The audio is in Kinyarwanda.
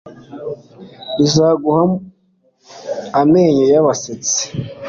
rizaguha amenyo y'abasetsi